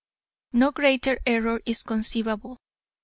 No greater error is conceivable.